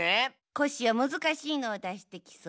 コッシーはむずかしいのをだしてきそうじゃのう。